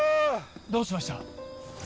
どうしました？